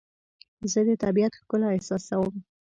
زه د طبیعت ښکلا احساسوم.